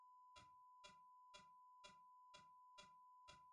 বাধ্য হয়ে আমাদের বিকল্প পথে রাজশাহী হয়ে ঘুরে ঢাকা যেতে হচ্ছে।